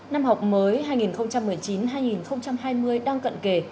năm học mới hai nghìn một mươi chín hai nghìn hai mươi đang cận kề